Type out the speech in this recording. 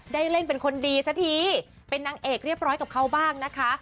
ได้เล่นเป็นคนดีสักทีเป็นนางเอกเรียบร้อยกับเขาบ้างนะคะ